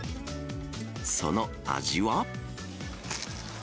その味は？